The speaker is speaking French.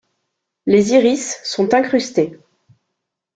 Les iris sont incrustés.